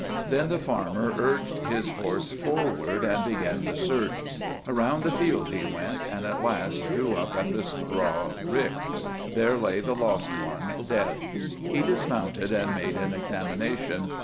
Then the farmer urged his horse forward and began the search. Around the field he went, and at last drew up at the straw rick. There lay the lost one, dead. He dismounted and made an examination.